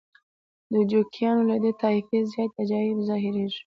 د جوګیانو له دې طایفې زیاتې عجایب ظاهریږي.